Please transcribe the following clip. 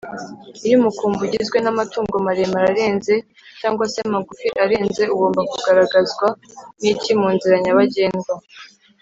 iyo umukumbi ugizwe n’amatungo maremare arenze cg se amagufi arenze ugomba kugaragazwa n’iki munzira nyabagendwa